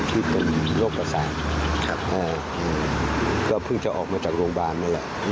ที่เป็นโรคประสาทก็เพิ่งจะออกมาจากโรงพยาบาลนั่นแหละ